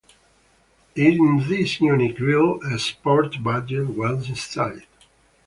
In this unique grill a "sport" badge was installed.